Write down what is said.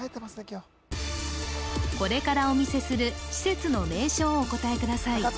今日これからお見せする施設の名称をお答えください